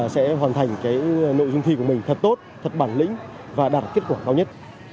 sẽ hoàn thành nội dung thi của mình thật tốt thật bản lĩnh và đạt kết quả cao nhất